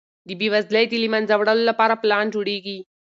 د بېوزلۍ د له منځه وړلو لپاره پلان جوړیږي.